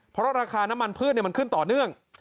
เพราะราคาน้ำมันพืชมันขึ้นต่อเนื่อง